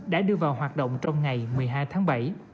đã đưa vào hoạt động trong ngày một mươi hai tháng bảy